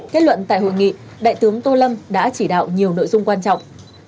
kết luận tại hội nghị đại tướng tô lâm đã chỉ đạo nhiều nội dung quan trọng